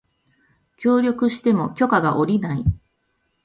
協力しても許可が降りない